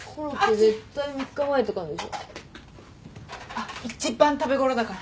あっ一番食べ頃だから。